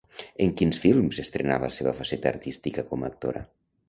En quins films estrenà la seva faceta artística com a actora?